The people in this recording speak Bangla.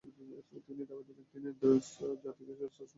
তিনি ধাপে ধাপে একটি নিরস্ত্র জাতিকে সশস্ত্র সংগ্রামের দিকে নিয়ে গেছেন।